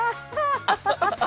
ハハハハ。